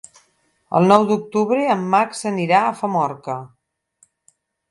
El nou d'octubre en Max anirà a Famorca.